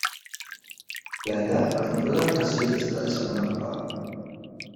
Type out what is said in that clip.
Weil das, was in Irland passiert ist, alles andere war!